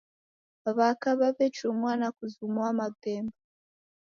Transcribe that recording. W'aka w'aw'echumua na kuzumua mapemba